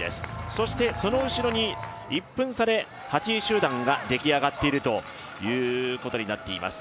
そして、その後ろに１分差で８位集団が出来上がっているということになっています。